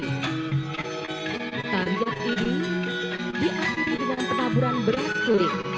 tari buang sangkal diaktifkan dengan penaburan beras kulit